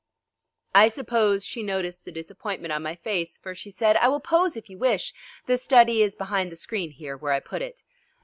I suppose she noticed the disappointment on my face, for she said: "I will pose if you wish. The study is behind the screen here where I put it."